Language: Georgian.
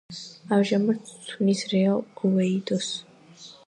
ამჟამად წვრთნის „რეალ ოვიედოს“.